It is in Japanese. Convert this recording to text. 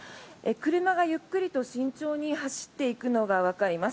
車がゆっくりと慎重に走っていくのがわかります。